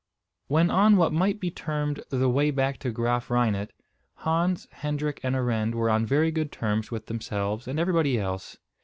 When on what might be termed the way back to Graaf Reinet, Hans, Hendrik, and Arend were on very good terms with themselves and everybody else.